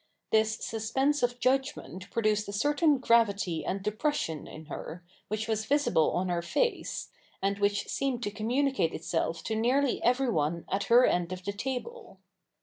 This suspense of judgment produced a certain gravity and depression in her, which was visible on her face, and which seemed to communicate itself to nearly everyone at her end of the table.